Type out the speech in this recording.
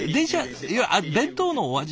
いや弁当のお味